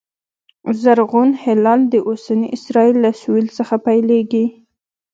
زرغون هلال د اوسني اسرایل له سوېل څخه پیلېږي